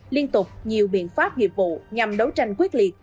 liên tục nhiều biện pháp nghiệp vụ nhằm đấu tranh quyết liệt